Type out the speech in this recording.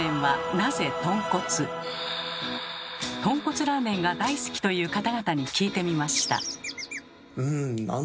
とんこつラーメンが大好きという方々に聞いてみました。